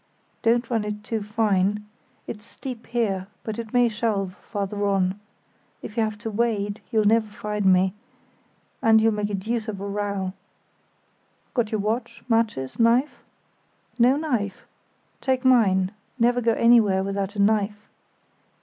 "Don't run it too fine. It's steep here, but it may shelve farther on. If you have to wade you'll never find me, and you'll make a deuce of a row. Got your watch, matches, knife? No knife? Take mine; never go anywhere without a knife."